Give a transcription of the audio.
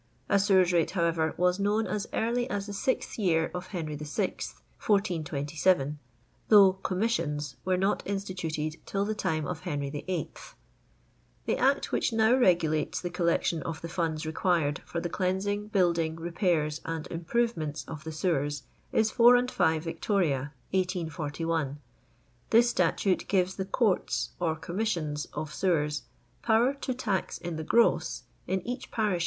A sewers rate, however, was known as early as the sixth year of Henry YI. (1427), though "commissions" were not instituted till the time of Henry YIIL The Act which now regulates the collection of the funds required for the cleans ing, building, repairs, and improvements of the sewers, is 4 and 5 Vict (1841). This statute gives the "Courts" or "Commissions" of Sewers, power '* to tax in the gross'* in each parish, &c.